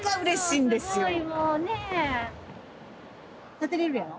立てれるやろ？